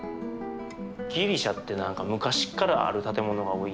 ギリシャって何か昔っからある建物が多いイメージ。